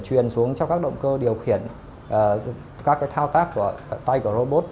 truyền xuống cho các động cơ điều khiển các thao tác của tay của robot